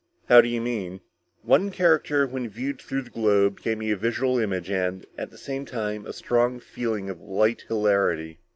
"How do you mean?" "One character when viewed through the globe gave me a visual image and, at the same time, a strong feeling of light hilarity."